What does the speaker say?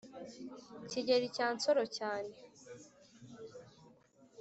kigeli cya nsoro cyane